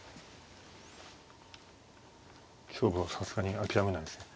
勝負はさすがに諦めないですね。